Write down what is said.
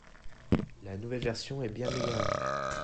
La nouvelle version est bien meilleure.